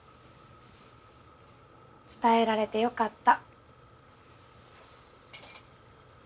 伝えられてよかった。